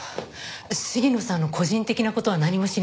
鴫野さんの個人的な事は何も知りません。